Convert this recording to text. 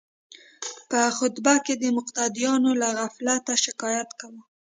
په خطبه کې د مقتدیانو له غفلته شکایت کاوه.